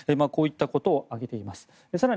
こういったことを上げています。